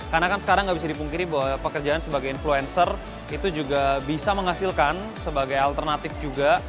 karena kan sekarang nggak bisa dipungkiri bahwa pekerjaan sebagai influencer itu juga bisa menghasilkan sebagai alternatif juga